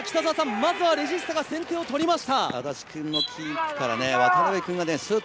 まずはレジスタが先手を取りました。